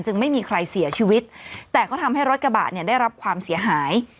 ไม่มีใครเสียชีวิตแต่ก็ทำให้รถกระบะเนี่ยได้รับความเสียหาย